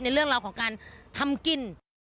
ในเรื่องของการทำกิน